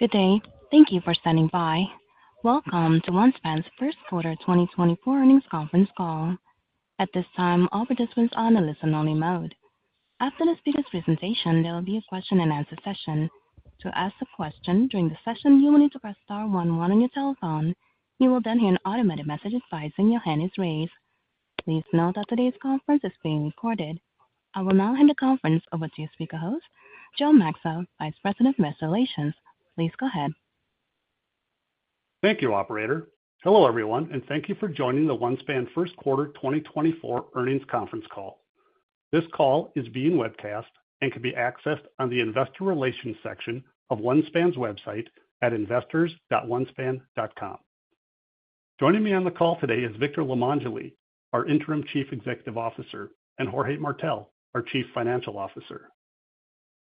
Good day. Thank you for standing by. Welcome to OneSpan's first quarter 2024 earnings conference call. At this time, all participants are on a listen-only mode. After the speaker's presentation, there will be a question-and-answer session. To ask a question during the session, you will need to press star one one on your telephone. You will then hear an automated message advising your hand is raised. Please note that today's conference is being recorded. I will now hand the conference over to your speaker host, Joe Maxa, Vice President of Investor Relations. Please go ahead. Thank you, operator. Hello, everyone, and thank you for joining the OneSpan first quarter 2024 earnings conference call. This call is being webcast and can be accessed on the investor relations section of OneSpan's website at investors.onespan.com. Joining me on the call today is Victor Limongelli, our Interim Chief Executive Officer, and Jorge Martell, our Chief Financial Officer.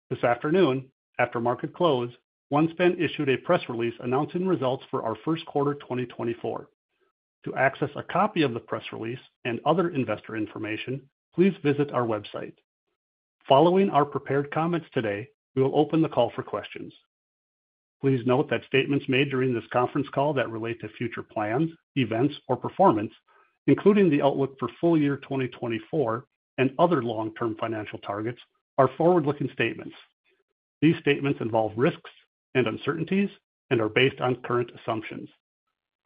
This afternoon, after market close, OneSpan issued a press release announcing results for our first quarter 2024. To access a copy of the press release and other investor information, please visit our website. Following our prepared comments today, we will open the call for questions. Please note that statements made during this conference call that relate to future plans, events or performance, including the outlook for full year 2024 and other long-term financial targets, are forward-looking statements. These statements involve risks and uncertainties and are based on current assumptions.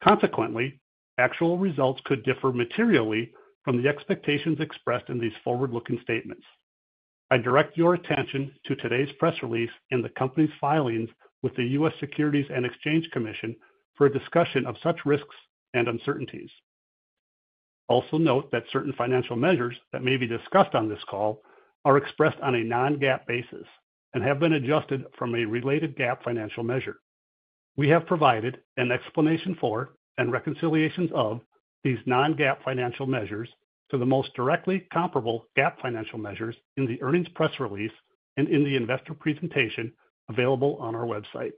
Consequently, actual results could differ materially from the expectations expressed in these forward-looking statements. I direct your attention to today's press release and the company's filings with the U.S. Securities and Exchange Commission for a discussion of such risks and uncertainties. Also, note that certain financial measures that may be discussed on this call are expressed on a non-GAAP basis and have been adjusted from a related GAAP financial measure. We have provided an explanation for, and reconciliations of, these non-GAAP financial measures to the most directly comparable GAAP financial measures in the earnings press release and in the investor presentation available on our website.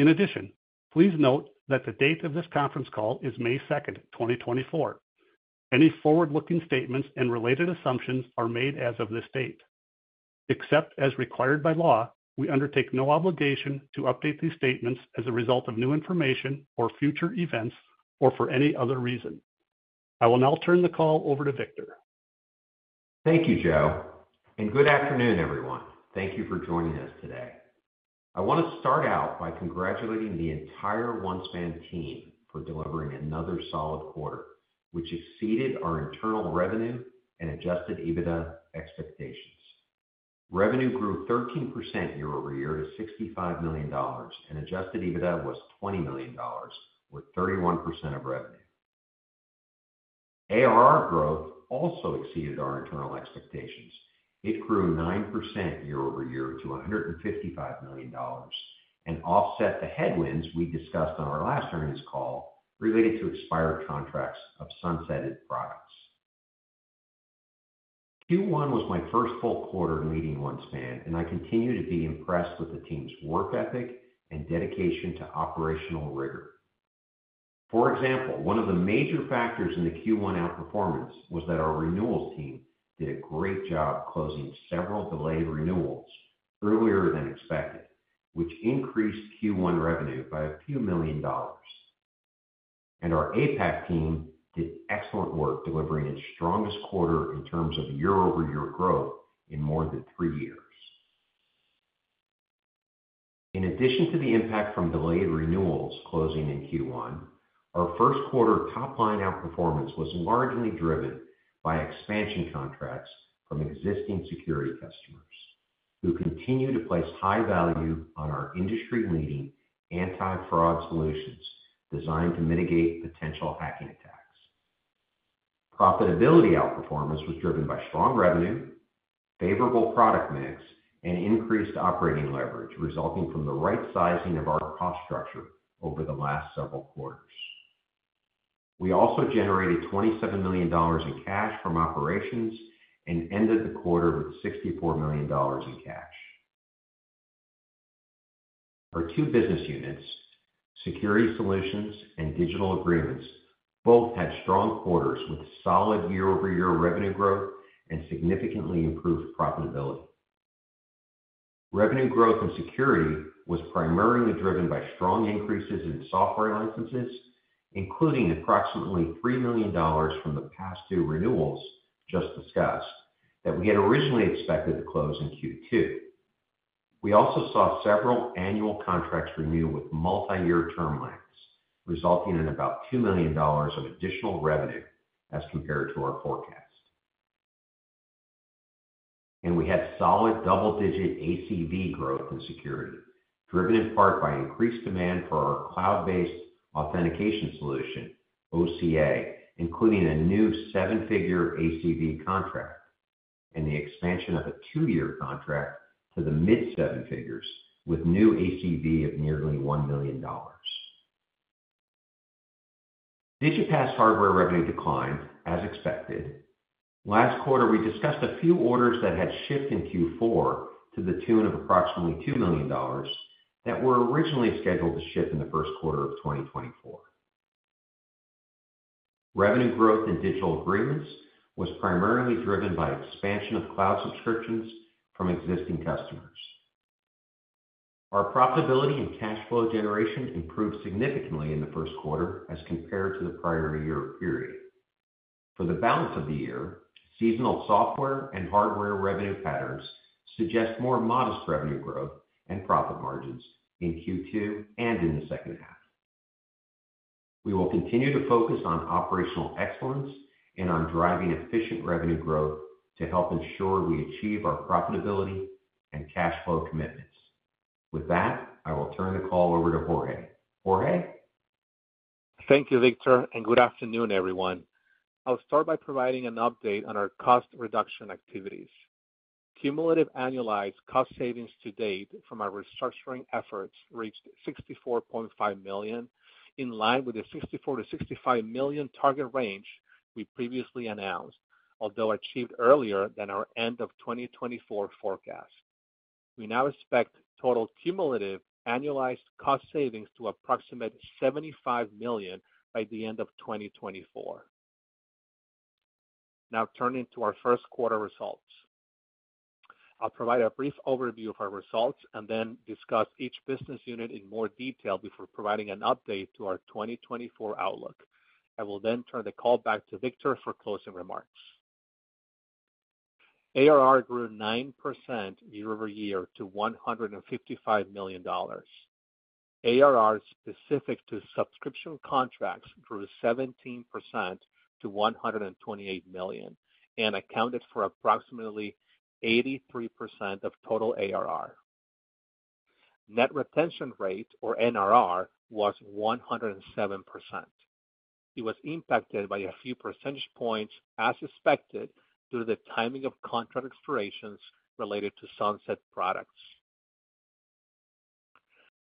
In addition, please note that the date of this conference call is May 2nd, 2024. Any forward-looking statements and related assumptions are made as of this date. Except as required by law, we undertake no obligation to update these statements as a result of new information or future events, or for any other reason. I will now turn the call over to Victor. Thank you, Joe, and good afternoon, everyone. Thank you for joining us today. I want to start out by congratulating the entire OneSpan team for delivering another solid quarter, which exceeded our internal revenue and adjusted EBITDA expectations. Revenue grew 13% year-over-year to $65 million, and adjusted EBITDA was $20 million, with 31% of revenue. ARR growth also exceeded our internal expectations. It grew 9% year-over-year to $155 million and offset the headwinds we discussed on our last earnings call related to expired contracts of sunsetted products. Q1 was my first full quarter leading OneSpan, and I continue to be impressed with the team's work ethic and dedication to operational rigor. For example, one of the major factors in the Q1 outperformance was that our renewals team did a great job closing several delayed renewals earlier than expected, which increased Q1 revenue by a few million dollars. Our APAC team did excellent work delivering its strongest quarter in terms of year-over-year growth in more than three years. In addition to the impact from delayed renewals closing in Q1, our first quarter top-line outperformance was largely driven by expansion contracts from existing security customers, who continue to place high value on our industry-leading anti-fraud solutions designed to mitigate potential hacking attacks. Profitability outperformance was driven by strong revenue, favorable product mix, and increased operating leverage, resulting from the right sizing of our cost structure over the last several quarters. We also generated $27 million in cash from operations and ended the quarter with $64 million in cash. Our two business units, Security Solutions and Digital Agreements, both had strong quarters with solid year-over-year revenue growth and significantly improved profitability. Revenue growth in security was primarily driven by strong increases in software licenses, including approximately $3 million from the past two renewals just discussed, that we had originally expected to close in Q2. We also saw several annual contracts renew with multi-year term lengths, resulting in about $2 million of additional revenue as compared to our forecast. We had solid double-digit ACV growth in security, driven in part by increased demand for our cloud-based authentication solution, OCA, including a new seven-figure ACV contract and the expansion of a two-year contract to the mid seven figures with new ACV of nearly $1 million. Digipass hardware revenue declined as expected. Last quarter, we discussed a few orders that had shipped in Q4 to the tune of approximately $2 million that were originally scheduled to ship in the first quarter of 2024. Revenue growth in digital agreements was primarily driven by expansion of cloud subscriptions from existing customers. Our profitability and cash flow generation improved significantly in the first quarter as compared to the prior year period. For the balance of the year, seasonal software and hardware revenue patterns suggest more modest revenue growth and profit margins in Q2 and in the second half. We will continue to focus on operational excellence and on driving efficient revenue growth to help ensure we achieve our profitability and cash flow commitments. With that, I will turn the call over to Jorge. Jorge? Thank you, Victor, and good afternoon, everyone. I'll start by providing an update on our cost reduction activities. Cumulative annualized cost savings to date from our restructuring efforts reached $64.5 million, in line with the $64 to $65 million target range we previously announced, although achieved earlier than our end of 2024 forecast. We now expect total cumulative annualized cost savings to approximate $75 million by the end of 2024. Now turning to our first quarter results. I'll provide a brief overview of our results and then discuss each business unit in more detail before providing an update to our 2024 outlook. I will then turn the call back to Victor for closing remarks. ARR grew 9% year-over-year to $155 million. ARR specific to subscription contracts grew 17% to $128 million and accounted for approximately 83% of total ARR. Net retention rate, or NRR, was 107%. It was impacted by a few percentage points, as expected, due to the timing of contract expirations related to sunset products.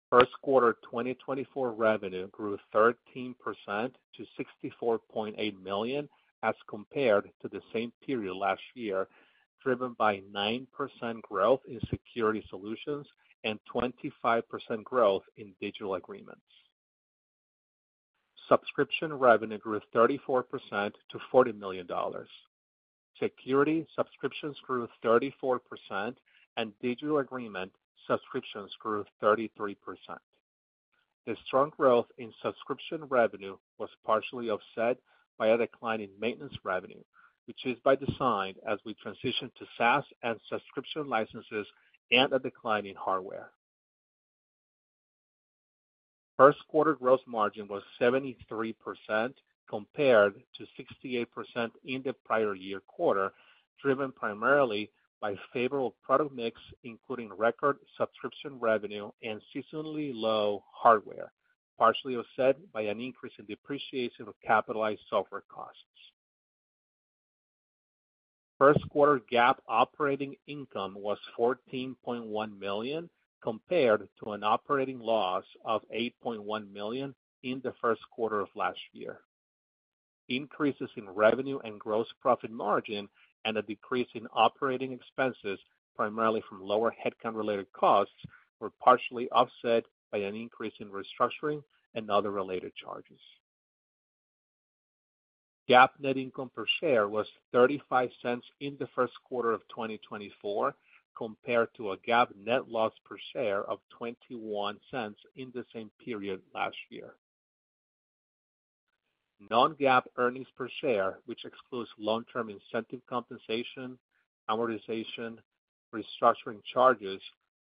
First quarter 2024 revenue grew 13% to $64.8 million, as compared to the same period last year, driven by 9% growth in security solutions and 25% growth in digital agreements. Subscription revenue grew 34% to $40 million. Security subscriptions grew 34%, and digital agreement subscriptions grew 33%. The strong growth in subscription revenue was partially offset by a decline in maintenance revenue, which is by design as we transition to SaaS and subscription licenses and a decline in hardware. First quarter gross margin was 73%, compared to 68% in the prior year quarter, driven primarily by favorable product mix, including record subscription revenue and seasonally low hardware, partially offset by an increase in depreciation of capitalized software costs. First quarter GAAP operating income was $14.1 million, compared to an operating loss of $8.1 million in the first quarter of last year. Increases in revenue and gross profit margin and a decrease in operating expenses, primarily from lower headcount-related costs, were partially offset by an increase in restructuring and other related charges. GAAP net income per share was $0.35 in the first quarter of 2024, compared to a GAAP net loss per share of $0.21 in the same period last year. Non-GAAP earnings per share, which excludes long-term incentive compensation, amortization, restructuring charges,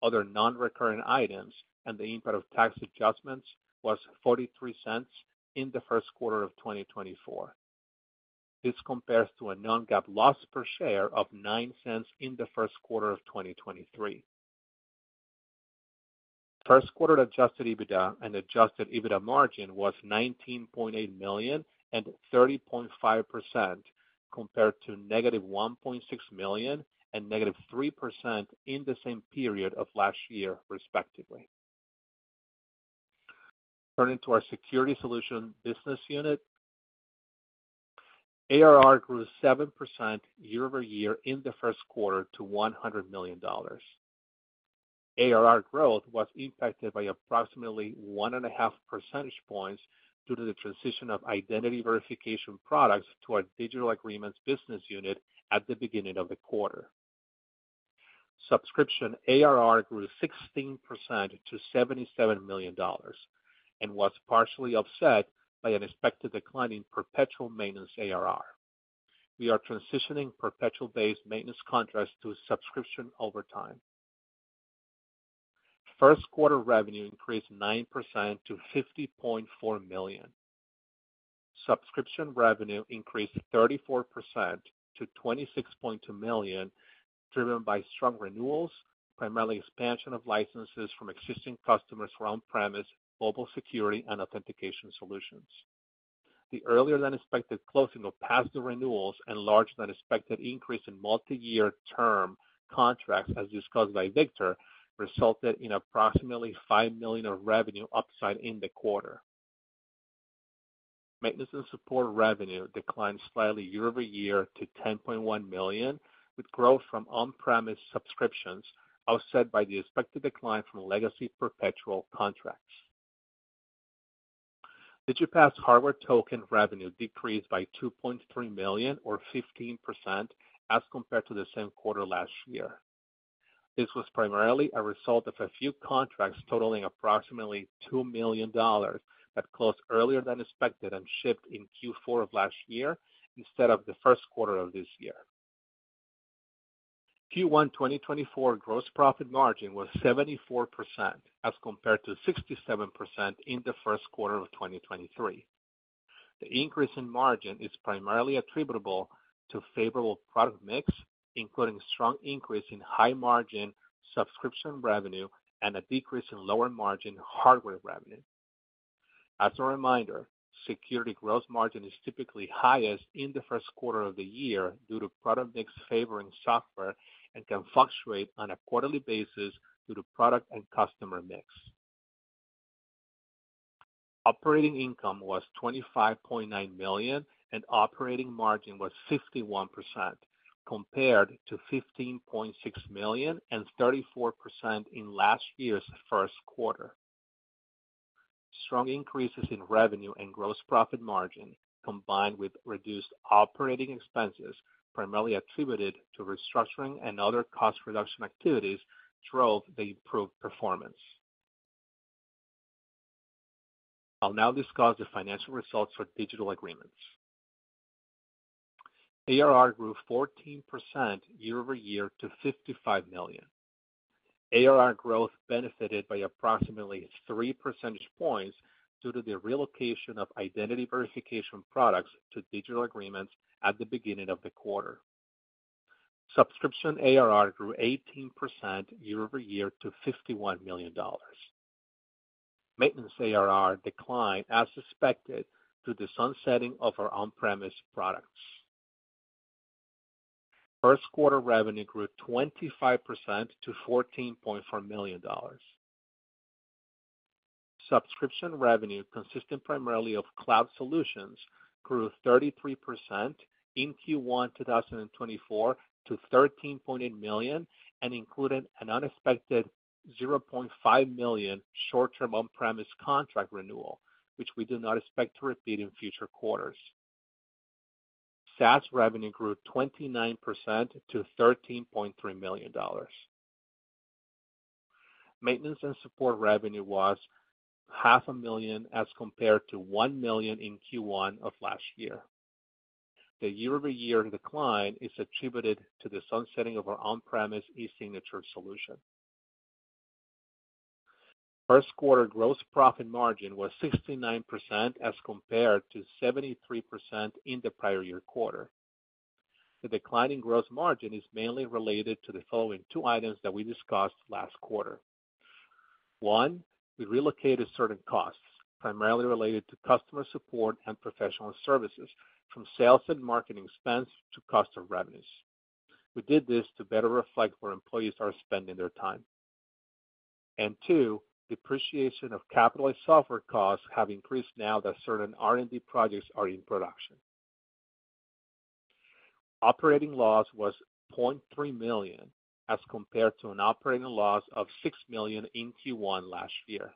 other non-recurring items, and the impact of tax adjustments, was $0.43 in the first quarter of 2024. This compares to a non-GAAP loss per share of $0.09 in the first quarter of 2023. First quarter adjusted EBITDA and adjusted EBITDA margin was $19.8 million and 30.5%, compared to -$1.6 million and -3% in the same period of last year, respectively. Turning to our Security Solutions business unit, ARR grew 7% year-over-year in the first quarter to $100 million. ARR growth was impacted by approximately 1.5 percentage points due to the transition of identity verification products to our Digital Agreements business unit at the beginning of the quarter. Subscription ARR grew 16% to $77 million and was partially offset by an expected decline in perpetual maintenance ARR. We are transitioning perpetual-based maintenance contracts to a subscription over time. First quarter revenue increased 9% to $50.4 million. Subscription revenue increased 34% to $26.2 million, driven by strong renewals, primarily expansion of licenses from existing customers who are on-premise, mobile security, and authentication solutions. The earlier-than-expected closing of past the renewals and larger-than-expected increase in multiyear term contracts, as discussed by Victor, resulted in approximately $5 million of revenue upside in the quarter. Maintenance and support revenue declined slightly year-over-year to $10.1 million, with growth from on-premise subscriptions offset by the expected decline from legacy perpetual contracts. Digipass hardware token revenue decreased by $2.3 million or 15% as compared to the same quarter last year. This was primarily a result of a few contracts totaling approximately $2 million that closed earlier than expected and shipped in Q4 of last year instead of the first quarter of this year. Q1 2024 gross profit margin was 74%, as compared to 67% in the first quarter of 2023. The increase in margin is primarily attributable to favorable product mix, including strong increase in high margin subscription revenue and a decrease in lower margin hardware revenue. As a reminder, security gross margin is typically highest in the first quarter of the year due to product mix favoring software, and can fluctuate on a quarterly basis due to product and customer mix. Operating income was $25.9 million, and operating margin was 51%, compared to $15.6 million and 34% in last year's first quarter. Strong increases in revenue and gross profit margin, combined with reduced operating expenses, primarily attributed to restructuring and other cost reduction activities, drove the improved performance. I'll now discuss the financial results for digital agreements. ARR grew 14% year-over-year to $55 million. ARR growth benefited by approximately three percentage points due to the relocation of identity verification products to digital agreements at the beginning of the quarter. Subscription ARR grew 18% year-over-year to $51 million. Maintenance ARR declined, as expected, to the sunsetting of our on-premise products. First quarter revenue grew 25% to $14.4 million. Subscription revenue, consisting primarily of cloud solutions, grew 33% in Q1 2024 to $13.8 million, and included an unexpected $0.5 million short-term on-premise contract renewal, which we do not expect to repeat in future quarters. SaaS revenue grew 29% to $13.3 million. Maintenance and support revenue was $500,000, as compared to $1 million in Q1 of last year. The year-over-year decline is attributed to the sunsetting of our on-premise e-signature solution. First quarter gross profit margin was 69%, as compared to 73% in the prior year quarter. The decline in gross margin is mainly related to the following two items that we discussed last quarter. One, we relocated certain costs, primarily related to customer support and professional services, from sales and marketing expense to cost of revenues. We did this to better reflect where employees are spending their time. And two, depreciation of capitalized software costs have increased now that certain R&D projects are in production. Operating loss was $0.3 million, as compared to an operating loss of $6 million in Q1 last year.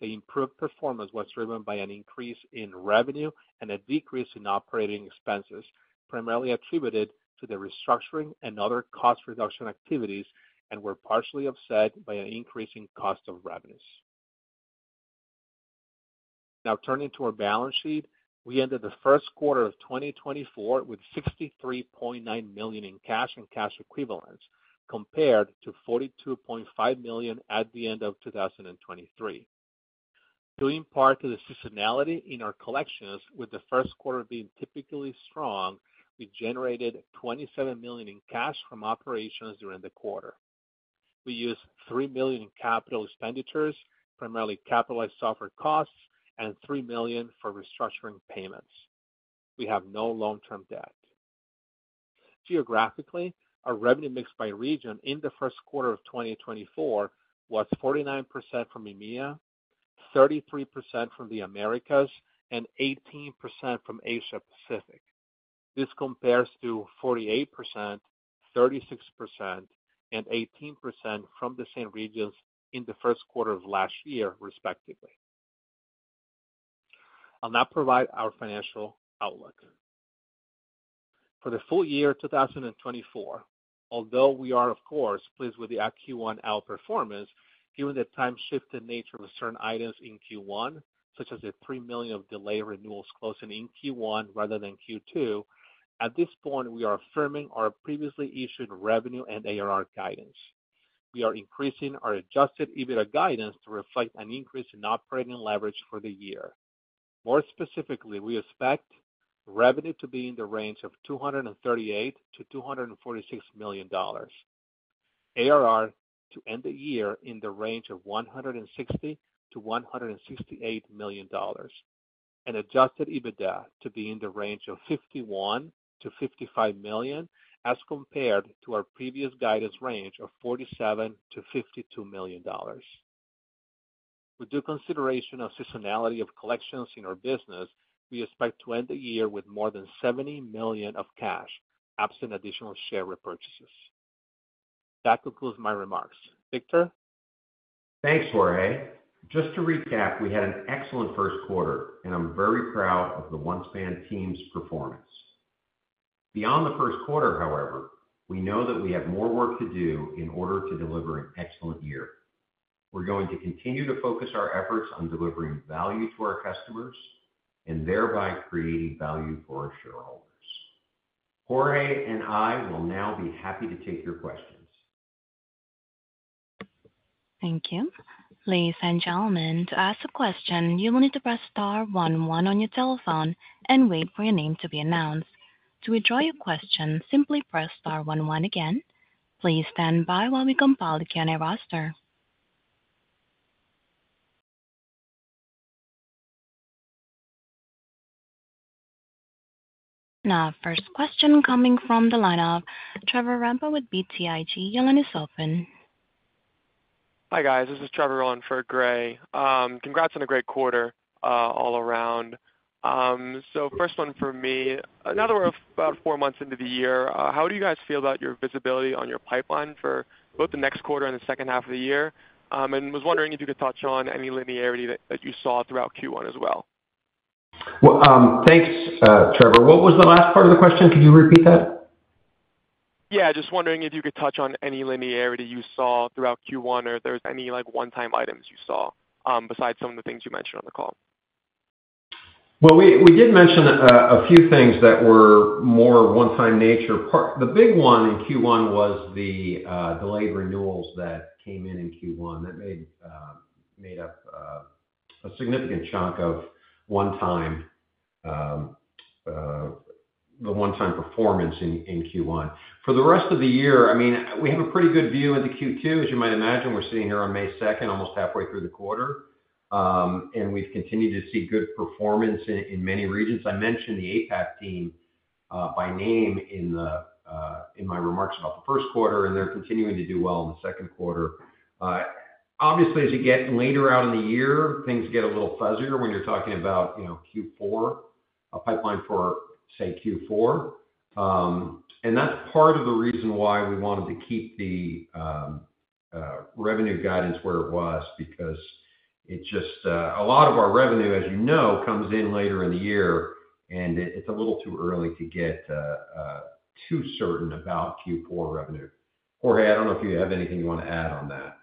The improved performance was driven by an increase in revenue and a decrease in operating expenses, primarily attributed to the restructuring and other cost reduction activities, and were partially offset by an increase in cost of revenues. Now turning to our balance sheet. We ended the first quarter of 2024 with $63.9 million in cash and cash equivalents, compared to $42.5 million at the end of 2023. Due in part to the seasonality in our collections, with the first quarter being typically strong, we generated $27 million in cash from operations during the quarter. We used $3 million in capital expenditures, primarily capitalized software costs, and $3 million for restructuring payments. We have no long-term debt. Geographically, our revenue mix by region in the first quarter of 2024 was 49% from EMEA, 33% from the Americas, and 18% from Asia Pacific. This compares to 48%, 36%, and 18% from the same regions in the first quarter of last year, respectively. I'll now provide our financial outlook. For the full year 2024, although we are, of course, pleased with the Q1 outperformance, given the time-shifted nature of certain items in Q1, such as the $3 million of delayed renewals closing in Q1 rather than Q2, at this point, we are affirming our previously issued revenue and ARR guidance. We are increasing our adjusted EBITDA guidance to reflect an increase in operating leverage for the year. More specifically, we expect revenue to be in the range of $238 million to $246 million, ARR to end the year in the range of $160 million to $168 million, and Adjusted EBITDA to be in the range of $51 million to $55 million, as compared to our previous guidance range of $47 million to $52 million. With due consideration of seasonality of collections in our business, we expect to end the year with more than $70 million of cash, absent additional share repurchases.... That concludes my remarks. Victor? Thanks, Jorge. Just to recap, we had an excellent first quarter, and I'm very proud of the OneSpan team's performance. Beyond the first quarter, however, we know that we have more work to do in order to deliver an excellent year. We're going to continue to focus our efforts on delivering value to our customers and thereby creating value for our shareholders. Jorge and I will now be happy to take your questions. Thank you. Ladies and gentlemen, to ask a question, you will need to press star one one on your telephone and wait for your name to be announced. To withdraw your question, simply press star one one again. Please stand by while we compile the Q&A roster. Now, first question coming from the lineup, Trevor Rambo with BTIG, your line is open. Hi, guys. This is Trevor on for Gray. Congrats on a great quarter, all around. So first one for me, now that we're about four months into the year, how do you guys feel about your visibility on your pipeline for both the next quarter and the second half of the year? And was wondering if you could touch on any linearity that you saw throughout Q1 as well. Well, thanks, Trevor. What was the last part of the question? Could you repeat that? Yeah, just wondering if you could touch on any linearity you saw throughout Q1, or if there's any, like, one-time items you saw, besides some of the things you mentioned on the call? Well, we did mention a few things that were more one-time nature. The big one in Q1 was the delayed renewals that came in in Q1. That made up a significant chunk of the one-time performance in Q1. For the rest of the year, I mean, we have a pretty good view into Q2. As you might imagine, we're sitting here on May 2nd, almost halfway through the quarter, and we've continued to see good performance in many regions. I mentioned the APAC team by name in my remarks about the first quarter, and they're continuing to do well in the second quarter. Obviously, as you get later out in the year, things get a little fuzzier when you're talking about, you know, Q4, a pipeline for, say, Q4. And that's part of the reason why we wanted to keep the revenue guidance where it was, because it just... A lot of our revenue, as you know, comes in later in the year, and it's a little too early to get too certain about Q4 revenue. Jorge, I don't know if you have anything you want to add on that.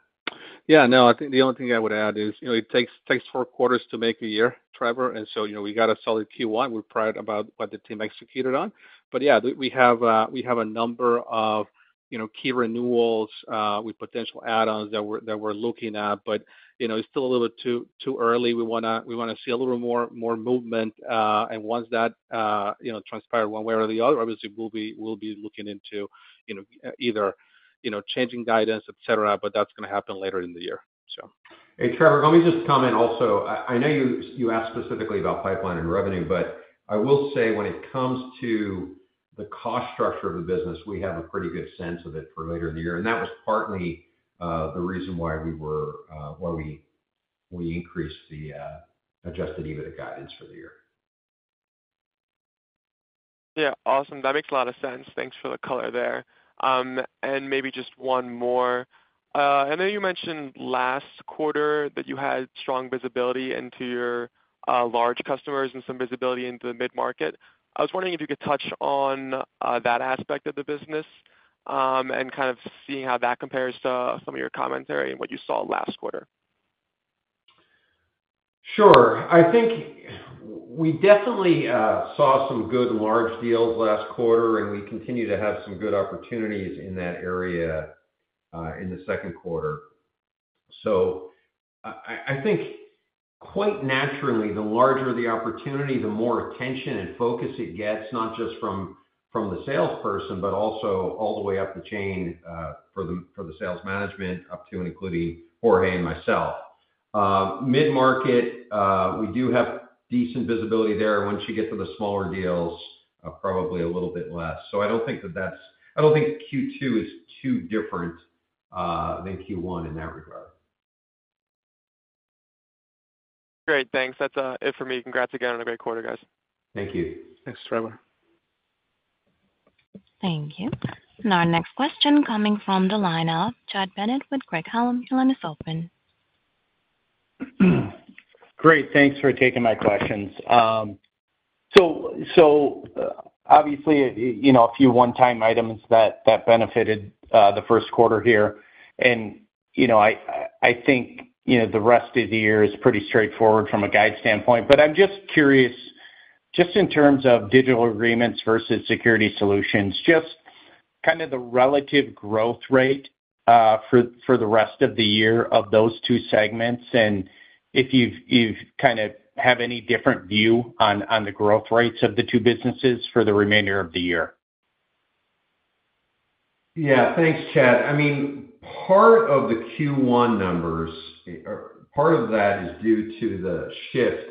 Yeah, no, I think the only thing I would add is, you know, it takes four quarters to make a year, Trevor, and so, you know, we got a solid Q1. We're proud about what the team executed on. But yeah, we have a number of, you know, key renewals with potential add-ons that we're looking at. But, you know, it's still a little bit too early. We wanna see a little more movement, and once that, you know, transpire one way or the other, obviously, we'll be looking into, you know, either, you know, changing guidance, etc., but that's gonna happen later in the year, so. Hey, Trevor, let me just comment also. I know you asked specifically about pipeline and revenue, but I will say when it comes to the cost structure of the business, we have a pretty good sense of it for later in the year, and that was partly the reason why we increased the adjusted EBITDA guidance for the year. Yeah, awesome. That makes a lot of sense. Thanks for the color there. Maybe just one more. I know you mentioned last quarter that you had strong visibility into your large customers and some visibility into the mid-market. I was wondering if you could touch on that aspect of the business, and kind of seeing how that compares to some of your commentary and what you saw last quarter. Sure. I think we definitely saw some good large deals last quarter, and we continue to have some good opportunities in that area in the second quarter. So I think quite naturally, the larger the opportunity, the more attention and focus it gets, not just from the salesperson, but also all the way up the chain for the sales management, up to and including Jorge and myself. Mid-market, we do have decent visibility there. Once you get to the smaller deals, probably a little bit less. So I don't think Q2 is too different than Q1 in that regard. Great, thanks. That's it for me. Congrats again on a great quarter, guys. Thank you. Thanks, Trevor. Thank you. And our next question coming from the line of Chad Bennett with Craig-Hallum. Your line is open. Great, thanks for taking my questions. So, so obviously, you know, a few one-time items that benefited the first quarter here. And, you know, I think, you know, the rest of the year is pretty straightforward from a guide standpoint. But I'm just curious, just in terms of digital agreements versus security solutions, just kind of the relative growth rate for the rest of the year of those two segments, and if you've kind of have any different view on the growth rates of the two businesses for the remainder of the year. Yeah, thanks, Chad. I mean, part of the Q1 numbers, or part of that is due to the shift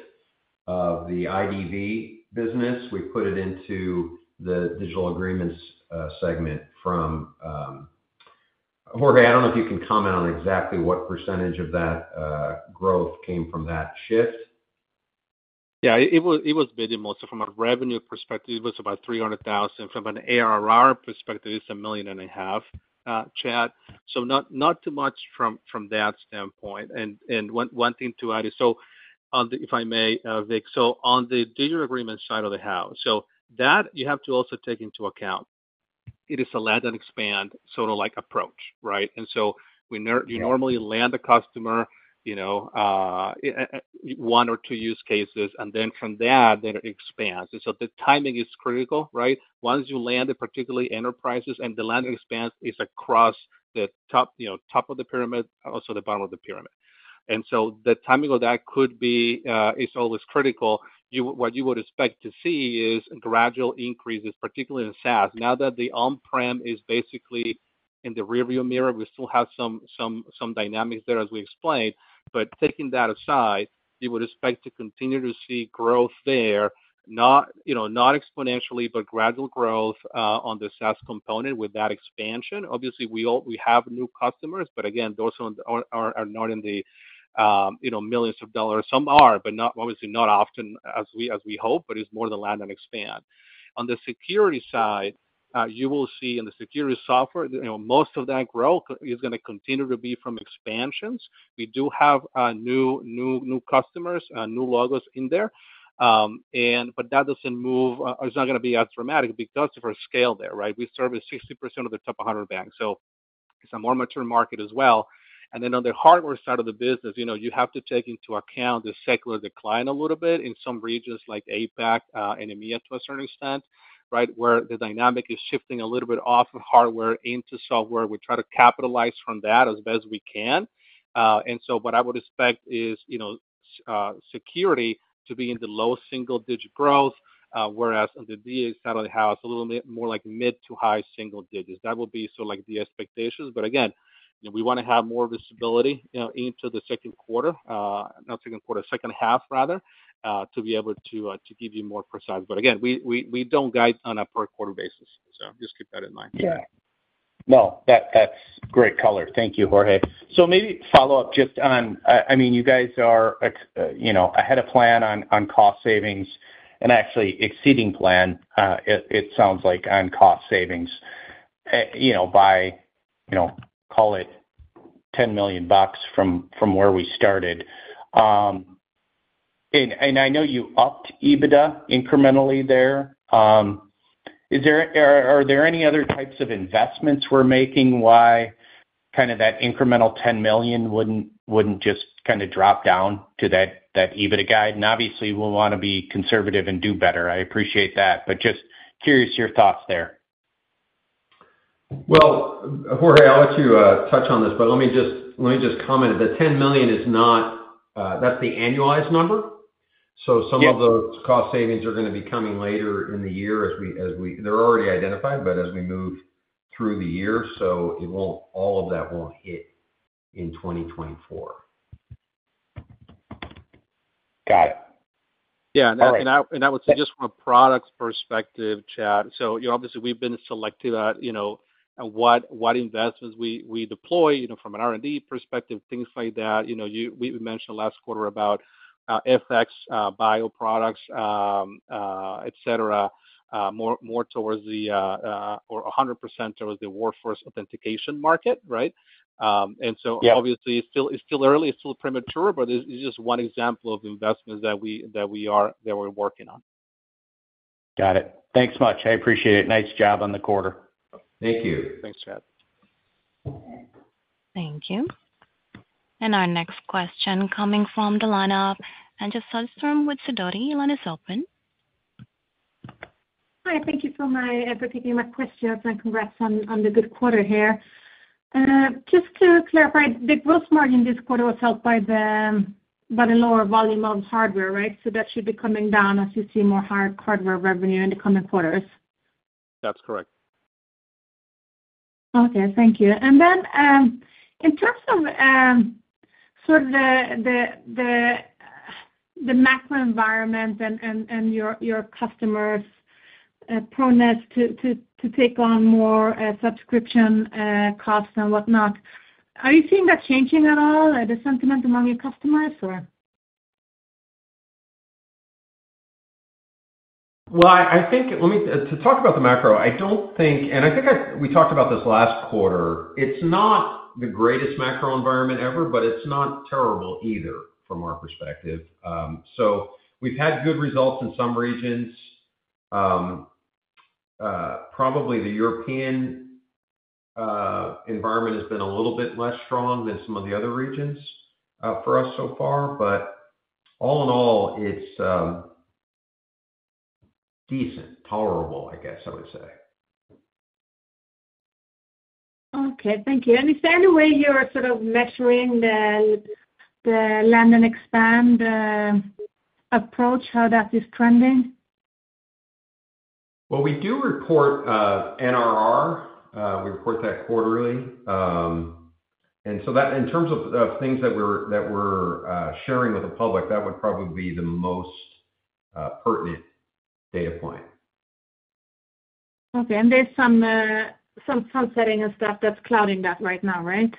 of the IDV business. We put it into the digital agreements segment from... Jorge, I don't know if you can comment on exactly what percentage of that growth came from that shift? Yeah, it was very mostly from a revenue perspective $300,000. From an ARR perspective, it's $1.5 million, Chad. So not too much from that standpoint. One thing to add is, if I may, Vic, on the Dealer Agreement side of the house, so that you have to also take into account. It is a land and expand sort of like approach, right? And so we nor- Yeah. You normally land a customer, you know, one or two use cases, and then from that, then it expands. And so the timing is critical, right? Once you land, particularly enterprises, and the land and expand is across the top, you know, top of the pyramid, also the bottom of the pyramid. And so the timing of that could be, is always critical. What you would expect to see is gradual increases, particularly in SaaS. Now that the on-prem is basically in the rearview mirror, we still have some dynamics there, as we explained. But taking that aside, you would expect to continue to see growth there, not, you know, not exponentially, but gradual growth on the SaaS component with that expansion. Obviously, we all have new customers, but again, those are not in the, you know, millions of dollars. Some are, but not, obviously, not often as we hope, but it's more the land and expand. On the security side, you will see in the security software, you know, most of that growth is gonna continue to be from expansions. We do have new customers, new logos in there. But that doesn't move, or it's not gonna be as dramatic because of our scale there, right? We service 60% of the top 100 banks, so it's a more mature market as well. And then on the hardware side of the business, you know, you have to take into account the secular decline a little bit in some regions like APAC, and EMEA to a certain extent, right? Where the dynamic is shifting a little bit off of hardware into software. We try to capitalize from that as best we can. And so what I would expect is, you know, security to be in the low single digit growth, whereas on the DA side of the house, a little bit more like mid to high single digits. That would be so like the expectations. But again, we wanna have more visibility, you know, into the second quarter, not second quarter, second half rather, to be able to, to give you more precise. But again, we don't guide on a per quarter basis, so just keep that in mind. Yeah. No, that's great color. Thank you, Jorge. So maybe follow up just on, I mean, you guys are, you know, ahead of plan on, on cost savings and actually exceeding plan, it sounds like, on cost savings, you know, by, you know, call it $10 million from, from where we started. And I know you upped EBITDA incrementally there. Is therer, are there any other types of investments we're making why kind of that incremental $10 million wouldn't, wouldn't just kind of drop down to that EBITDA guide? And obviously, we'll want to be conservative and do better. I appreciate that, but just curious your thoughts there. Well, Jorge, I'll let you touch on this, but let me just, let me just comment. The $10 million is not. That's the annualized number. Yep. So some of those cost savings are gonna be coming later in the year as we, they're already identified, but as we move through the year, so it won't, all of that won't hit in 2024. Got it. Yeah, and I would say just from a product perspective, Chad, so, you know, obviously, we've been selective at, you know, what investments we deploy, you know, from an R&D perspective, things like that. You know, we mentioned last quarter about FX bio products, et cetera, more towards the or 100% towards the workforce authentication market, right? Yeah. And so obviously, it's still early. It's still premature, but it's just one example of investments that we're working on. Got it. Thanks much. I appreciate it. Nice job on the quarter. Thank you. Thanks, Chad. Thank you. Our next question coming from the line of Anja Soderstrom with Sidoti. Your line is open. Hi, thank you for repeating my questions, and congrats on the good quarter here. Just to clarify, the gross margin this quarter was helped by the lower volume of hardware, right? That should be coming down as you see more hardware revenue in the coming quarters. That's correct. Okay, thank you. And then, in terms of, sort of the macro environment and your customers' proneness to take on more subscription costs and whatnot, are you seeing that changing at all, the sentiment among your customers, or? Well, I think to talk about the macro, I don't think, and I think we talked about this last quarter, it's not the greatest macro environment ever, but it's not terrible either, from our perspective. So we've had good results in some regions. Probably the European environment has been a little bit less strong than some of the other regions, for us so far. But all in all, it's decent, tolerable, I guess I would say. Okay, thank you. Is there any way you're sort of measuring the land and expand approach, how that is trending? Well, we do report NRR. We report that quarterly. And so that, in terms of things that we're sharing with the public, that would probably be the most pertinent data point. Okay, and there's some, some sunsetting and stuff that's clouding that right now, right?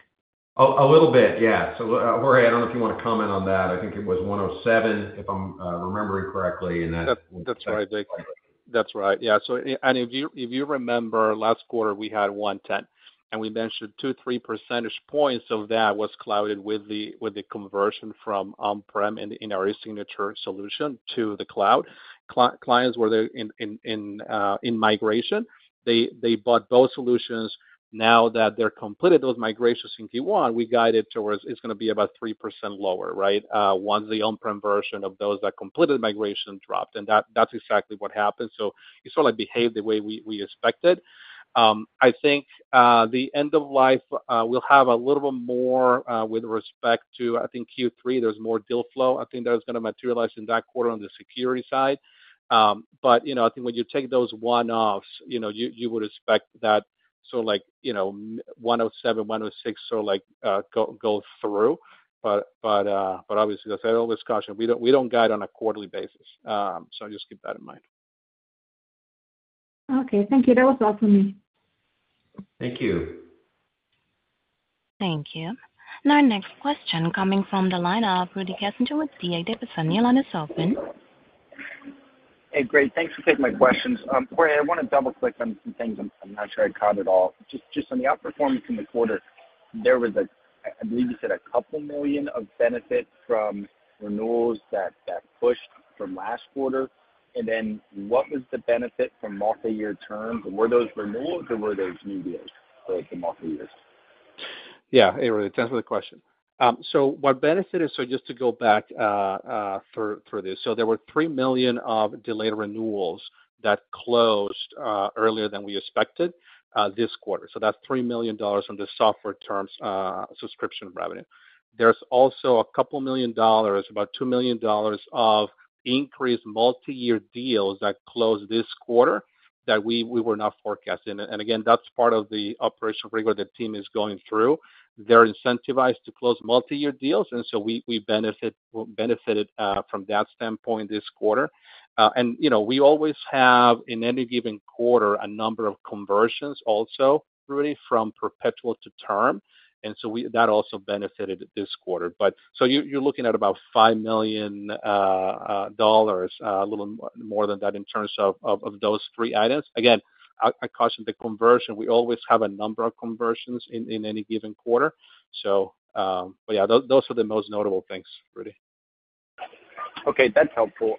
Oh, a little bit, yeah. So, Jorge, I don't know if you wanna comment on that. I think it was 107, if I'm remembering correctly, and that- That, that's right, [audio distorition]. That's right. Yeah, so and if you, if you remember last quarter, we had 110, and we mentioned 2% to 3% points of that was clouded with the, with the conversion from on-prem in our eSignature solution to the cloud. Clients were there in migration. They bought both solutions. Now that they're completed those migrations in Q1, we guided towards it's gonna be about 3% lower, right? Once the on-prem version of those that completed migration dropped, and that's exactly what happened. So it sort of behaved the way we expected. I think the end of life will have a little bit more with respect to, I think, Q3, there's more deal flow. I think that's gonna materialize in that quarter on the security side. But, you know, I think when you take those one-offs, you know, you would expect that sort of like, you know, $107, $106, so like, go through. But obviously, as I always caution, we don't, we don't guide on a quarterly basis. So just keep that in mind. Okay. Thank you. That was all for me. Thank you. Thank you. Now, next question coming from the line of Rudy Kessinger with D.A. Davidson. Your line is open. Hey, great. Thanks for taking my questions. Jorge, I wanna double-click on some things I'm not sure I caught it all. Just on the outperformance in the quarter, there was a $2 million of benefit from renewals that pushed from last quarter. And then, what was the benefit from multi-year terms? Were those renewals or were those new deals for the multi-years? Yeah, hey, Rudy, thanks for the question. So what benefit is, so just to go back, for, for this, so there were $3 million of delayed renewals that closed earlier than we expected this quarter. So that's $3 million from the software terms subscription revenue. There's also a couple million dollars, about $2 million of increased multi-year deals that closed this quarter, that we, we were not forecasting. And, and again, that's part of the operational rigor the team is going through. They're incentivized to close multi-year deals, and so we, we benefit, benefited from that standpoint this quarter. And you know, we always have, in any given quarter, a number of conversions also, Rudy, from perpetual to term, and so we, that also benefited this quarter. But so you're looking at about $5 million, a little more than that in terms of those three items. Again, I caution the conversion. We always have a number of conversions in any given quarter. So, but yeah, those are the most notable things, Rudy. Okay, that's helpful.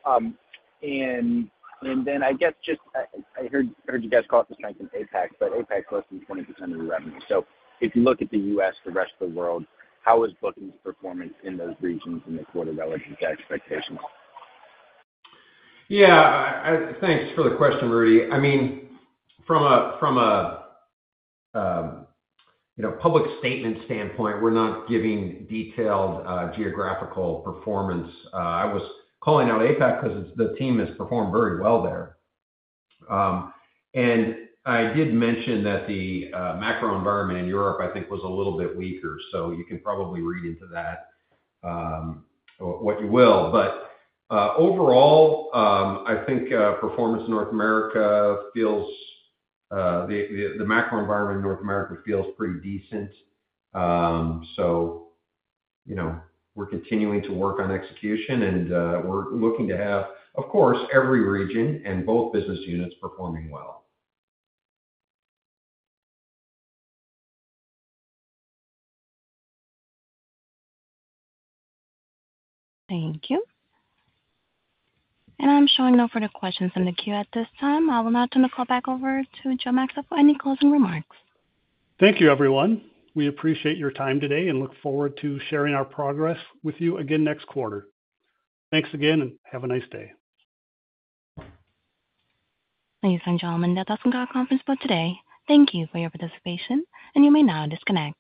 And then I guess just, I heard you guys call out the strength in APAC, but APAC is less than 20% of the revenue. So if you look at the U.S., the rest of the world, how is bookings performance in those regions in the quarter relative to expectations? Yeah, thanks for the question, Rudy. I mean, from a, from a, you know, public statement standpoint, we're not giving detailed, geographical performance. I was calling out APAC 'cause it's, the team has performed very well there. And I did mention that the, macro environment in Europe, I think, was a little bit weaker, so you can probably read into that, what you will. But, overall, I think, performance in North America feels, the macro environment in North America feels pretty decent. So, you know, we're continuing to work on execution, and, we're looking to have, of course, every region and both business units performing well. Thank you. I'm showing no further questions in the queue at this time. I will now turn the call back over to Joe Maxa for any closing remarks. Thank you, everyone. We appreciate your time today and look forward to sharing our progress with you again next quarter. Thanks again, and have a nice day. Ladies and gentlemen, that does end our conference call today. Thank you for your participation, and you may now disconnect.